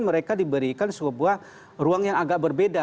mereka diberikan sebuah ruang yang agak berbeda